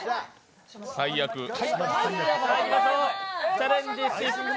チャレンジ失敗。